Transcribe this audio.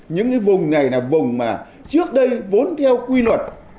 những cái vùng này là vùng mà trước đây vốn theo quy luật